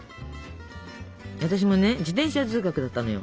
私もね自転車通学だったのよ。